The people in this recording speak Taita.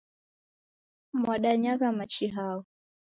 Mwadayagha machi hao?